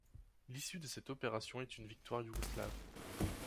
L'issue de cette opération est une victoire yougoslave.